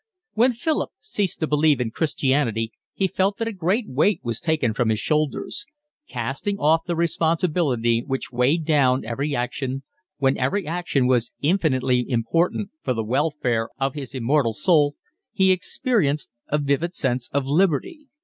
When Philip ceased to believe in Christianity he felt that a great weight was taken from his shoulders; casting off the responsibility which weighed down every action, when every action was infinitely important for the welfare of his immortal soul, he experienced a vivid sense of liberty.